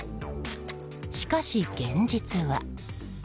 しかし現実は。